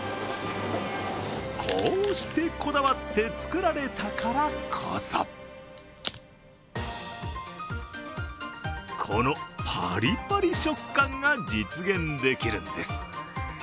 こうして、こだわって作られたからこそこのパリパリ食感が実現できるんです。